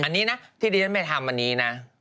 อันนี้นะที่ดิฉันไม่ทำอันนี้นะ